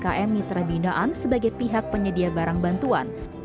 dan dua umkm mitra bindaan sebagai pihak penyediaan barang bantuan